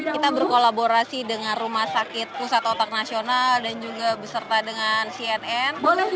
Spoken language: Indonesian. kita berkolaborasi dengan rumah sakit pusat otak nasional dan juga beserta dengan cnn